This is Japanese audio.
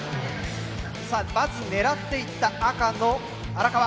さあまず狙っていった赤の荒川。